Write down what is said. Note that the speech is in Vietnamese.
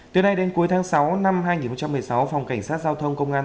từ nay đến cuối tháng sáu năm hai nghìn một mươi sáu phòng cảnh sát giao thông công an